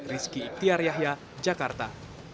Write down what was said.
rizky iktiar yahya jakarta